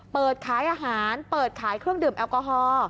เปิดขายอาหารเปิดขายเครื่องดื่มแอลกอฮอล์